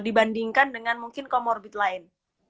dibandingkan dengan mungkin comorbid lain